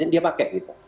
dia pakai gitu